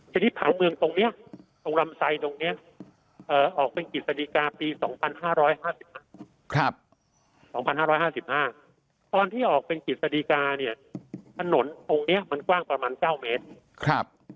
ที่นี้ฐานเมืองตรงนี้ตรงลำไซด์ออกเป็นกิจสตกปี๒๕๕๕ตอนที่ออกเป็นกิจสตกถนนตรงนี้มันกว้างประมาณ๙เมตร